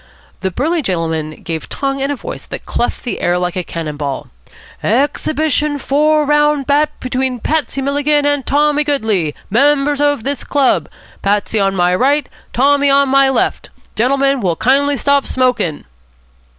The burly gentleman gave tongue in a voice that cleft the air like a cannon ball. "Ex hib it i on four round bout between Patsy Milligan and Tommy Goodley, members of this club. Patsy on my right, Tommy on my left. Gentlemen will kindly stop smokin'."